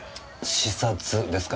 刺殺ですか？